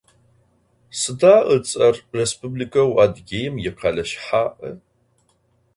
Sıda ıts'er Rêspublikeu Adıgêim yikhele şsha'e?